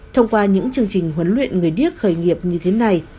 thông qua những chương trình huấn luyện người điếc khởi nghiệp như thế này